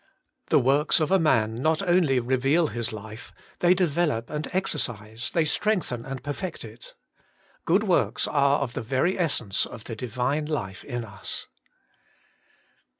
The works of a man not only reveal his life, they develop and exercise, they strengthen and perfect it. Good works are of the very essence of the Divine life in us.